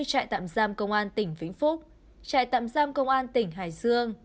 trại tạm giam công an tỉnh vĩnh phúc trại tạm giam công an tỉnh hải dương